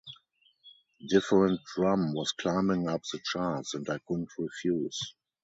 'Different Drum' was climbing up the charts, and I couldn't refuse.